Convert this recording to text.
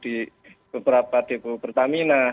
di beberapa depo pelumpang ini